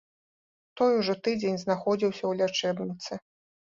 Той ужо тыдзень знаходзіўся ў лячэбніцы.